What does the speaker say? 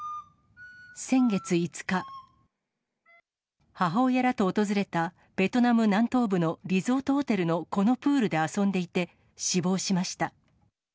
先月５日、母親らと訪れたベトナム南東部のリゾートホテルのこのプールで遊んでいて、死亡しました。